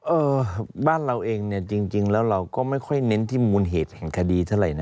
เออบ้านเราเองเนี่ยจริงแล้วเราก็ไม่ค่อยเน้นที่มูลเหตุแห่งคดีเท่าไหร่นะ